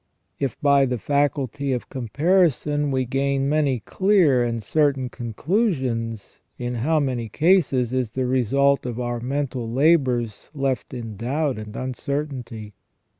If by the faculty of com parison we gain many clear and certain conclusions, in how many cases is the result of our mental labours left in doubt and uncertainty.